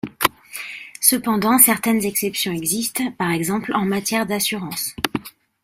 Cependant, certaines exceptions existent, par exemple en matière d'assurances.